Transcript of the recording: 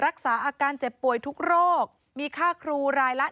รักษาอาการเจ็บป่วยทุกโรคมีค่าครูรายละ